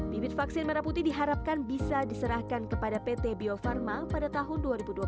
bibit vaksin merah putih diharapkan bisa diserahkan kepada pt bio farma pada tahun dua ribu dua puluh satu